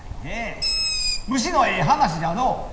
虫のえい話じゃのう！